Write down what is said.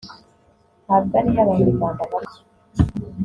ntabwo ariyo abanyarwanda barya